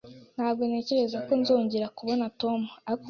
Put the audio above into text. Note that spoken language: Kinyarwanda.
Ntabwo ntekereza ko nzongera kubona Tom.